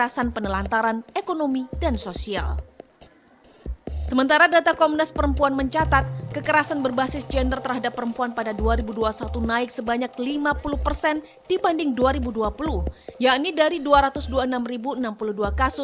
sampai dia menunggu lama sekali lama dia menunggu